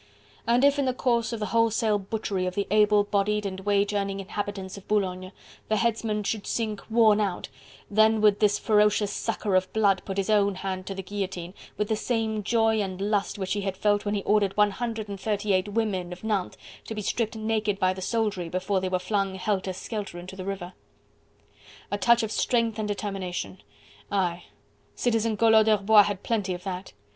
And if in the course of the wholesale butchery of the able bodied and wage earning inhabitants of Boulogne, the headsman should sink worn out, then would this ferocious sucker of blood put his own hand to the guillotine, with the same joy and lust which he had felt when he ordered one hundred and thirty eight women of Nantes to be stripped naked by the soldiery before they were flung helter skelter into the river. A touch of strength and determination! Aye! Citizen Collot d'Herbois had plenty of that.